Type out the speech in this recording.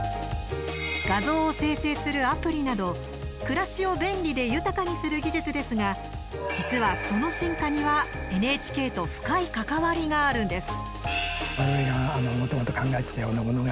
画像を生成するアプリなど暮らしを便利で豊かにする技術ですが実は、その進化にはＮＨＫと深い関わりがあるんです。